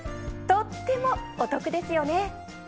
とってもお得ですよね。